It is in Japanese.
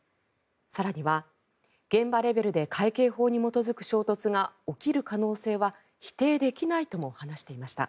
更には現場レベルで海警法に基づく衝突が起きる可能性は否定できないとも話していました。